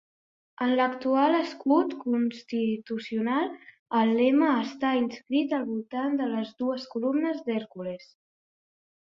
En l'actual escut constitucional, el lema està inscrit al voltant de les dues columnes d'Hèrcules.